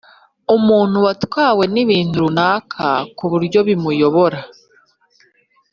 umuntu watwawe n’ibintu runaka ku buryo bimuyobora.